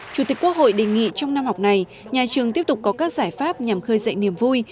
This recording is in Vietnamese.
chủ tịch quốc hội đề nghị trong năm học này nhà trường tiếp tục có các giải pháp nhằm khơi dậy niềm vui